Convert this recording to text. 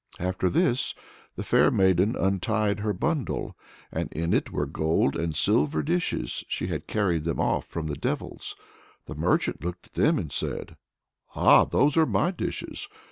After this the fair maiden untied her bundle, and in it were gold and silver dishes: she had carried them off from the devils. The merchant looked at them and said: "Ah! those are my dishes.